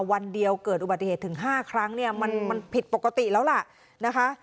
วันเดียวเกิดอุบัติเหตุถึง๕ครั้งเนี่ยมันผิดปกติแล้วล่ะนะคะ